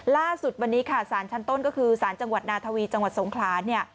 ล่าสุดวันนี้ค่ะสารชั้นต้นก็คือสารจังหวัดนาทวีจังหวัดสงขลาเนี่ย